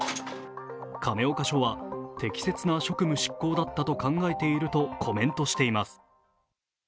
亀岡署は適切な職務執行だったと考えているとコメントしています。